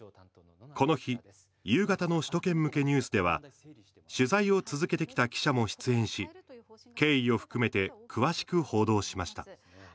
この日夕方の首都圏向けニュースでは取材を続けてきた記者も出演し経緯を含めて詳しく報道しました。